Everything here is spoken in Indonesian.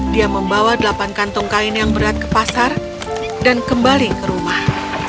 dia membawa delapan kantung kain yang berat ke pasar dan kembali ke rumah